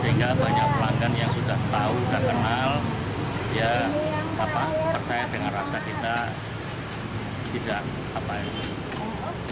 sehingga banyak pelanggan yang sudah tahu sudah kenal ya percaya dengan rasa kita tidak apa ini